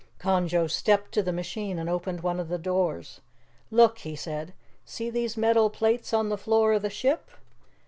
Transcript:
Conjo stepped to the machine and opened one of the doors. "Look," he said. "See these metal plates on the floor of the ship?